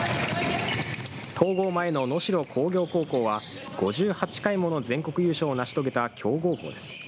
統合前の能代工業高校は、５８回もの全国優勝を成し遂げた強豪校です。